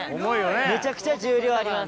めちゃくちゃ重量あります。